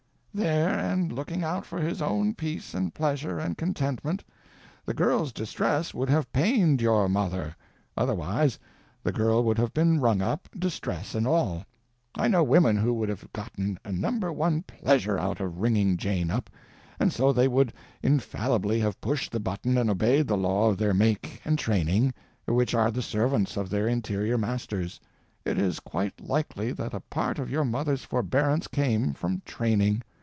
There, and looking out for his own peace and pleasure and contentment. The girl's distress would have pained _your mother. _Otherwise the girl would have been rung up, distress and all. I know women who would have gotten a No. 1 _pleasure _out of ringing Jane up—and so they would infallibly have pushed the button and obeyed the law of their make and training, which are the servants of their Interior Masters. It is quite likely that a part of your mother's forbearance came from training.